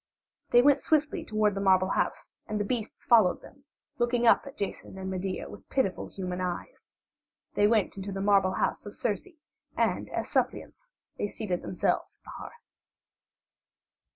They went swiftly toward the marble house, and the beasts followed them, looking up at Jason and Medea with pitiful human eyes. They went into the marble house of Circe, and as suppliants they seated themselves at the hearth.